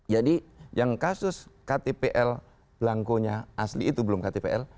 jadi yang kasus ktpl blanco nya asli itu belum ktpl